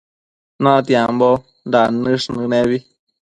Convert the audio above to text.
natiambo dannësh nënebi